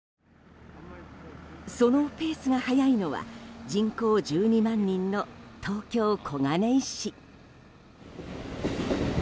そのペースが早いのは人口１２万人の東京・小金井市。